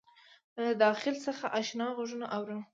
له داخل څخه آشنا غــږونه اورم